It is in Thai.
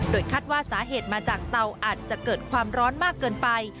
คาดว่าสาเหตุมาจากเตาอาจจะเกิดความร้อนมากเกินไป